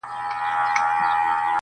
• ته زموږ زړونه را سپين غوندي کړه.